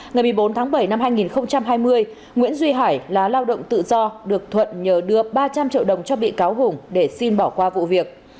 ngày một mươi bốn tháng bảy năm hai nghìn hai mươi nguyễn duy hải lá lao động tự do được thuận nhờ đưa ba trăm linh triệu đồng cho bị cáo hùng để xin bỏ qua vụ việc